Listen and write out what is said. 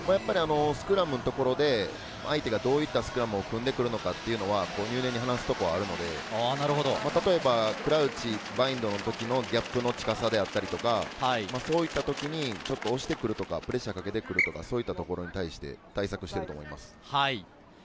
スクラムのところで相手がどういったスクラムを組んでくるのか、入念に話すことはあるので、例えばクラウチ、バインドの時のギャップの近さや、こういった時にちょっと押してくるとか、プレッシャーをかけてくるとか、そういったことに対して対策を立てていると思います。